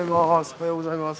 おはようございます。